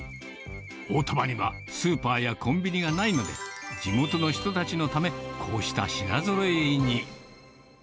大丹波にはスーパーやコンビニがないので、地元の人たちのため、こうした品ぞろえに。